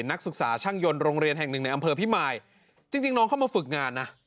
นักศึกษาช่างยนต์โรงเรียนแห่งหนึ่งในอำเภอพิมายจริงน้องเข้ามาฝึกงานนะ